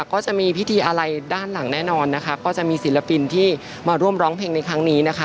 ก็จะมีพิธีอะไรด้านหลังแน่นอนนะคะก็จะมีศิลปินที่มาร่วมร้องเพลงในครั้งนี้นะคะ